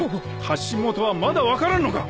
発信元はまだ分からんのか？